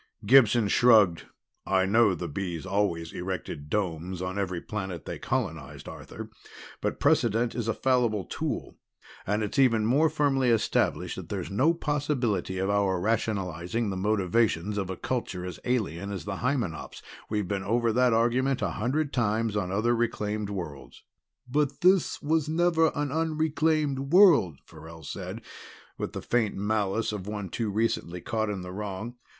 Gibson shrugged. "I know the Bees always erected domes on every planet they colonized, Arthur, but precedent is a fallible tool. And it's even more firmly established that there's no possibility of our rationalizing the motivations of a culture as alien as the Hymenops' we've been over that argument a hundred times on other reclaimed worlds." "But this was never an unreclaimed world," Farrell said with the faint malice of one too recently caught in the wrong.